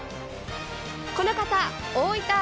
この方、大分味